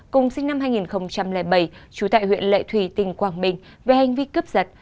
cùng sinh năm hai nghìn bảy trú tại huyện lệ thủy tỉnh quảng bình về hành vi cướp giật